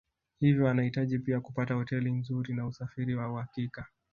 Hivyo anahitaji pia kupata hoteli nzuri na usafiri wa uhakika